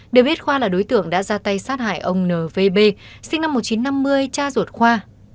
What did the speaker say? để biết khoa là đối tượng đã ra tay sát hại ông n v b sinh năm một nghìn chín trăm năm mươi cha ruột khoa